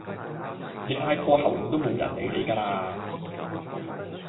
你嗌破喉嚨都無人理你咖啦